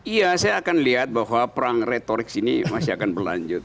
iya saya akan lihat bahwa perang retorik ini masih akan berlanjut